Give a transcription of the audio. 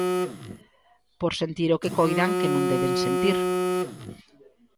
Por sentir o que coidan que non deben sentir.